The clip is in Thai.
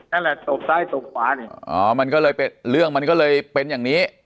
นั่นแหละตบซ้ายตบขวานี่อ๋อมันก็เลยเป็นเรื่องมันก็เลยเป็นอย่างนี้